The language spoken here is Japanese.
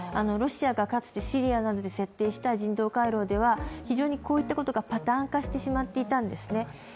ロシアがかつて、シリアなどで設定した人道回廊では非常にこういったことがパターン化してしまっていたんですね。